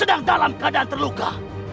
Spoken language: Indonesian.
sedang dalam keadaan terluka